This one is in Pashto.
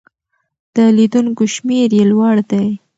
د لیدونکو شمېر یې لوړ دی.